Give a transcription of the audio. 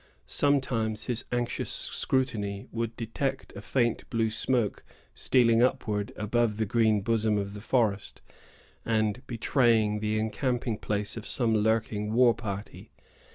Sometimes his anxious scrutiny would detect a faint blue smoke stealing upward above the green bosom of the forest, and betraying the encamping place of some lurking war party.